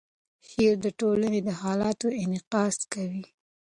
شعر د ټولنې د حالاتو انعکاس کوي.